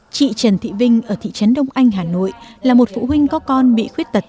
chị trần thị vinh ở thị trấn đông anh hà nội là một phụ huynh có con bị khuyết tật dạng tự kỷ